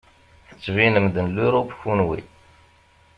Tettbinem-d n Luṛup kunwi.